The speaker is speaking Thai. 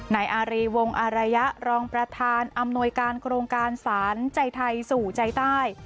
นายอารีวงอารยะรองประธานอำนวยการโครงการสารใจไทยสู่ใจใต้